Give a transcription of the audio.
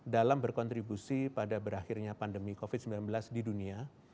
dalam berkontribusi pada berakhirnya pandemi covid sembilan belas di dunia